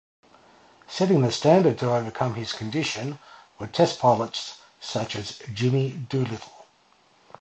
Setting the standard to overcome this condition were test pilots such as Jimmy Doolittle.